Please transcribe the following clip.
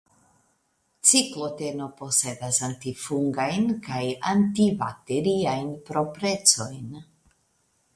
Cikloteno posedas antifungajn kaj antibakteriajn proprecojn.